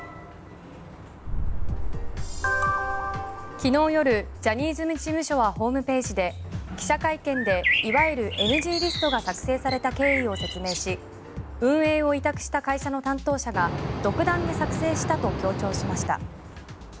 昨日夜、ジャニーズ事務所はホームページで記者会見でいわゆるＮＧリストが作成された経緯を説明し運営を委託した会社の担当者が独断で作成したと強調しました。